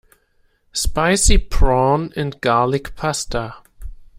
Spicy prawn and garlic pasta.